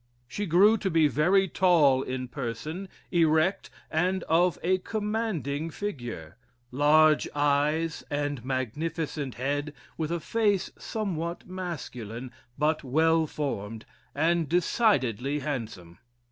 She grew to be very tall in person, erect, and of a commanding figure; large eyes, and magnificent head, with a face somewhat masculine, but well formed, and decidedly handsome.